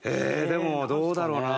でもどうだろうな？